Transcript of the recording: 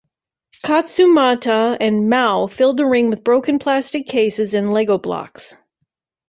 Katsumata and Mao filled the ring with broken plastic cases and Lego blocks.